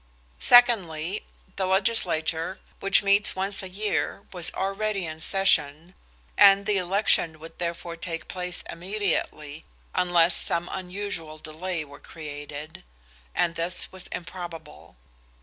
Secondly, the legislature, which meets once a year, was already in session, and the election would therefore take place immediately, unless some unusual delay were created, and this was improbable.